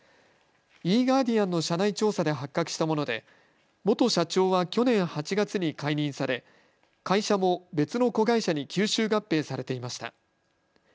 イー・ガーディアンの社内調査で発覚したもので元社長は去年８月に解任され会社も別の子会社に吸収合併されていました。